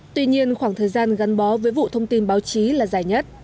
tuy nhiên khoảng thời gian gắn bó với vụ thông tin báo chí là dài nhất